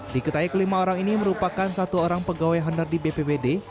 di ketahui kelima orang ini merupakan satu orang pegawai hondar di bppd